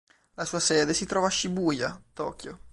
La sua sede si trova a Shibuya, Tokyo.